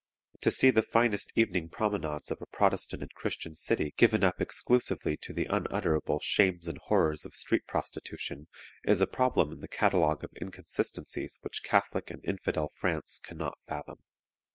To see the finest evening promenades of a Protestant and Christian city given up exclusively to the unutterable shames and horrors of street prostitution is a problem in the catalogue of inconsistencies which Catholic and infidel France can not fathom.